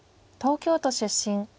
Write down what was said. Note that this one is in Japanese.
東京都出身。